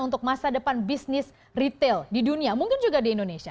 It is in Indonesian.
untuk masa depan bisnis retail di dunia mungkin juga di indonesia